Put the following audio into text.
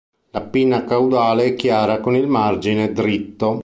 La pinna caudale è chiara con il margine dritto.